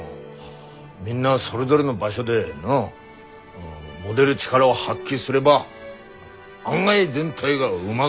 みんなそれぞれの場所で持でる力を発揮すれば案外全体がうまぐいぐ。